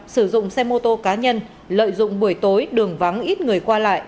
sử dụng xe mô tô cá nhân lợi dụng buổi tối đường vắng ít người qua lại